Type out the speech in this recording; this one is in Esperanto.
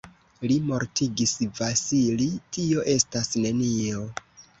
Li mortigis Vasili, tio estas nenio.